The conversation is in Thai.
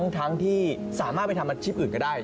ทั้งที่สามารถไปทำอาชีพอื่นก็ได้